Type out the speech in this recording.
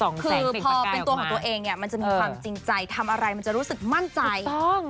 กองมากอีกแบบมันจะมีความจริงใจทำอะไรมันจะรู้สึกมั่นใจ